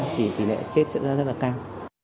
thì tỉ lệ chết sẽ rất là cao